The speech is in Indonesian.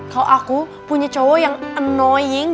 kalau aku punya cowok yang annoying